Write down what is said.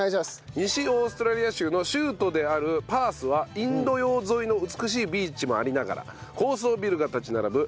西オーストラリア州の州都であるパースはインド洋沿いの美しいビーチもありながら高層ビルが立ち並ぶ